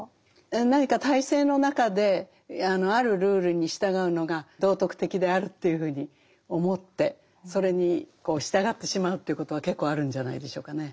何か体制の中であるルールに従うのが道徳的であるというふうに思ってそれに従ってしまうということは結構あるんじゃないでしょうかね。